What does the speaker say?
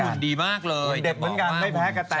ดีมากเลยเด็ดเหมือนกันไม่แพ้กระแต